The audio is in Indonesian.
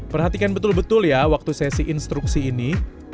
perhatikan betul betul ya waktu sesi instruksi ini